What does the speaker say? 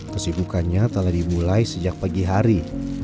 kesibukannya telah dimulai sejak pagi hari